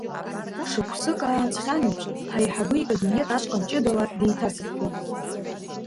Шықәсык ааҵхьан еиԥш, ҳаиҳабы икабинет ашҟа ҷыдала деиҭасыԥхьеит.